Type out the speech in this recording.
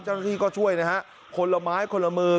เจ้าหน้าที่ก็ช่วยนะฮะคนละไม้คนละมือ